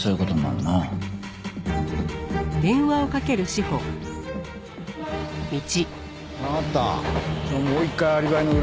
もう一回アリバイの裏取るわ。